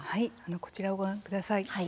こちらをご覧ください。